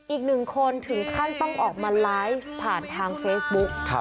อีกหนึ่งคนถึงขั้นต้องออกมาไลฟ์ผ่านทางเฟซบุ๊ก